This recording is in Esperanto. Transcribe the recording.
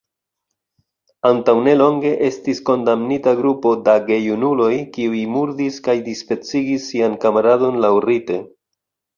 Antaŭ nelonge estis kondamnita grupo da gejunuloj, kiuj murdis kaj dispecigis sian kamaradon laŭrite.